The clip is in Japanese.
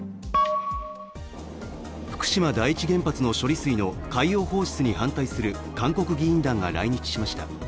福島第一原発の処理水の海洋放出に反対する韓国議員団が来日しました。